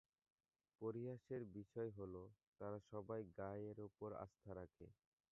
পরিহাসের বিষয় হল, তারা সবাই গাই এর উপর আস্থা রাখে।